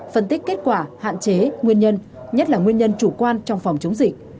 phân tích kết quả hạn chế nguyên nhân nhất là nguyên nhân chủ quan trong phòng chống dịch